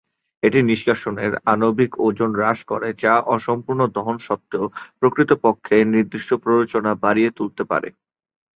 এটি নিষ্কাশনের আণবিক ওজন হ্রাস করে যা অসম্পূর্ণ দহন সত্ত্বেও প্রকৃতপক্ষে নির্দিষ্ট প্ররোচনা বাড়িয়ে তুলতে পারে।